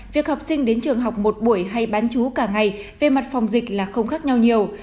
việc học sinh đến trường học một buổi hay bán chú cả ngày về mặt phòng dịch là không khác nhau nhiều